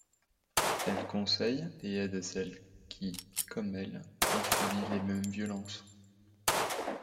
Elle conseille et aide celles, qui, comme elle, ont subi les mêmes violences.